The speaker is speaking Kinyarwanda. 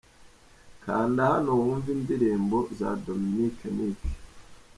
Kanda hano wumve indirimbo za Dominic Nic.